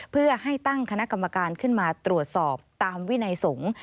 เพื่อให้ตั้งคณะกรรมการขึ้นมาตรวจสอบตามวินัยสงฆ์